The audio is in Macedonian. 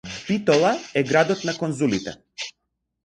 Битола е градот на конзулите.